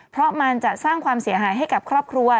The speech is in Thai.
เพราะมันจะสร้างความเสียหายให้กับครอบครัว